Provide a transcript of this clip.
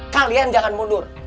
kalian jangan mundur